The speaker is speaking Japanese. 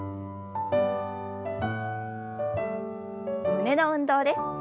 胸の運動です。